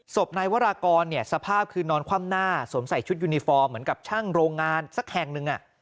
ศพนายวรากรสภาพคือนอนคว่ำหน้าสวมใส่ชุดยูนิฟอร์มเหมือนกับช่างโรงงานสักแห่งหนึ่ง